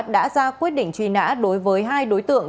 đã ra quyết định truy nã đối với hai đối tượng